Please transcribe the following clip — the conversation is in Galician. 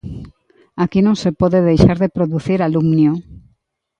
Aquí non se pode deixar de producir alumnio.